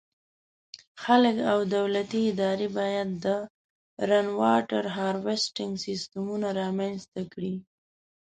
خلک او دولتي ادارې باید د “Rainwater Harvesting” سیسټمونه رامنځته کړي.